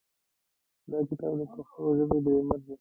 دا کتاب د پښتو ژبې ګرامر دی.